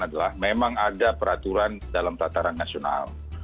adalah memang ada peraturan dalam tataran nasional